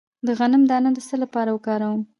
د غنم دانه د څه لپاره وکاروم؟